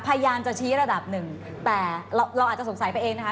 พยายามจะชี้ระดับหนึ่งแต่เราอาจจะสงสัยไปเองนะคะ